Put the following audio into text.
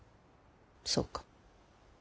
そうか。